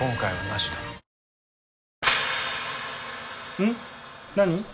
・うん？何？